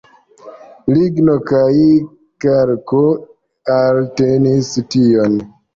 Ligno kaj kalko eltenis tion.